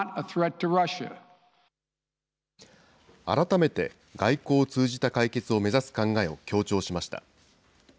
改めて外交を通じた解決を目指す考えを強調しました。